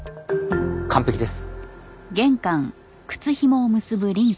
完璧です。